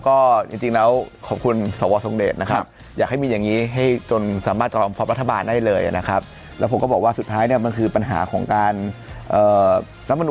ก็จริงจริงแล้วขอบคุณสาววอร์ททรงเดชนะครับอยากให้มีอย่างงี้ให้จนสามารถจะรับรัฐบาลได้เลยนะครับ